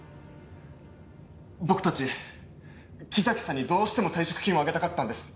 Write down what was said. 「僕たち木崎さんにどうしても退職金をあげたかったんです」